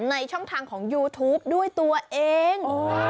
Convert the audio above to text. ช่องทางของยูทูปด้วยตัวเอง